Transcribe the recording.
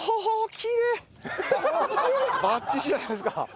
バッチシじゃないですか。